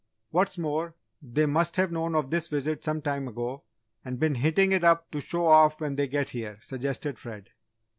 "What's more, they must have known of this visit some time ago, and been hitting it up to show off when they get here," suggested Fred.